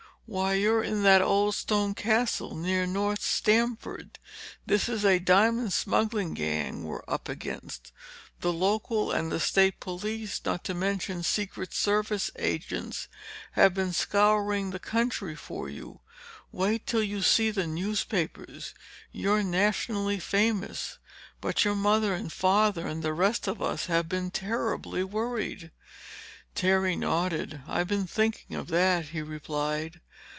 "Why, you're in that old stone Castle—near North Stamford. This is a diamond smuggling gang we're up against. The local and the state police, not to mention Secret Service agents, have been scouring the country for you. Wait till you see the newspapers! You're nationally famous! But your mother and father and the rest of us have been terribly worried." Terry nodded. "I've been thinking of that," he replied.